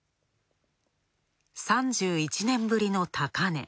３１年ぶりの高値。